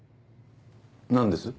何です？